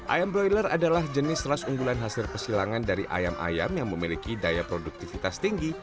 ayam broiler adalah jenis ras unggulan hasil pesilangan dari ayam ayam yang memiliki daya produktivitas tinggi